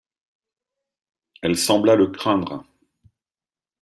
Elle sembla le craindre.